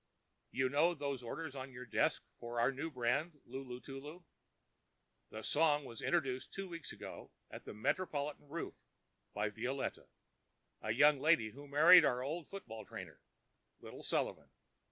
You know those orders on your desk are for our new brand, 'Lulu Tulu.' The song was introduced two weeks ago at the Metropolitan Roof by Violette, a young lady who married our old football trainer, Little Sullivan.